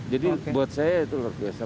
jadi buat saya itu luar biasa